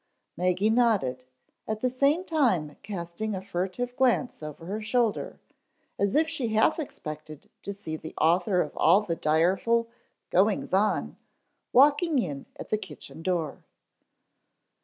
Maggie nodded, at the same time casting a furtive glance over her shoulder, as if she half expected to see the author of all the direful "goings on" walking in at the kitchen door.